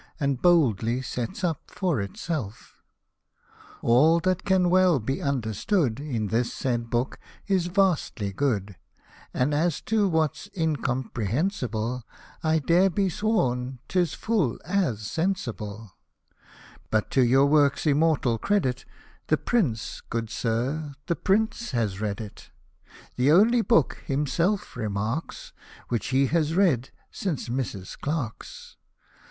And boldly sets up for itself. Hosted by Google THE TWOPENNY POST BAG 169 All, that can well be understood In this said Book, is vastly good ; And, as to what's incomprehensible, I dare be sworn 'tis full as sensible. But, to your work's immortal credit, The Pr — n — e, good Sir, the Pr — n — e has read it (The only Book, himself remarks, Which he has read since Mrs. Clarke's).